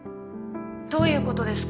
どういうことですか？